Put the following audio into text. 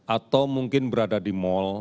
atau mungkin berada di mal